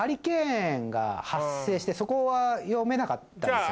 そこは読めなかったんですよね。